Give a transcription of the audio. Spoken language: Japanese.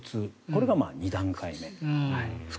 これが２段階目。